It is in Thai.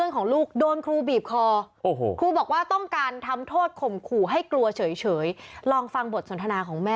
คุณครูใช่คนที่ทำร้ายเด็กหรือเปล่าคะ